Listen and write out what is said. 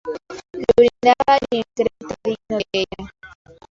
Le brindaba a quien creta digno de ella.